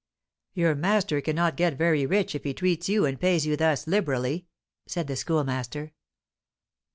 "Your master cannot get very rich if he treats you and pays you thus liberally," said the Schoolmaster.